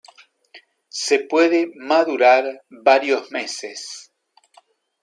Se puede madurar varios meses.